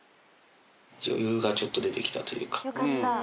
余裕がちょっと出てきたというか。